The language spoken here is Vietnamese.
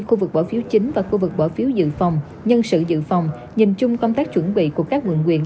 khu vực bỏ phiếu chính và khu vực bỏ phiếu dự phòng nhân sự dự phòng nhìn chung công tác chuẩn bị của các quận quyện